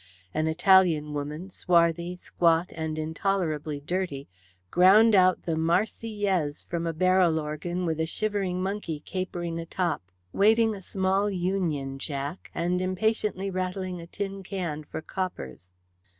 An Italian woman, swarthy, squat, and intolerably dirty, ground out the "Marseillaise" from a barrel organ with a shivering monkey capering atop, waving a small Union Jack, and impatiently rattling a tin can for coppers.